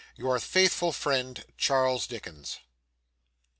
Your faithful friend, CHARLES DICKENS.